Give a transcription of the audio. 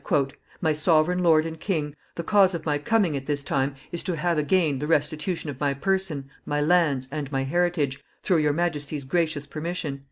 Henry replied, "My sovereign lord and king, the cause of my coming at this time is to have again the restitution of my person, my lands, and my heritage, through your majesty's gracious permission."